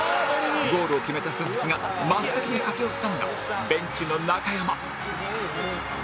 ゴールを決めた鈴木が真っ先に駆け寄ったのがベンチの中山